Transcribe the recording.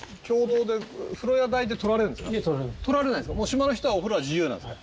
島の人はお風呂は自由なんですか？